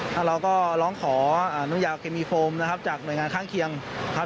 แล้วเราก็ร้องขออนุญาเคมีโฟมนะครับจากหน่วยงานข้างเคียงครับ